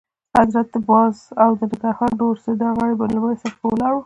حضرت باز او د ننګرهار نور سندرغاړي به په لومړي صف کې ولاړ وي.